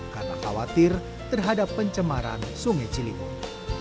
karena khawatir terhadap pencemaran sungai ciliwung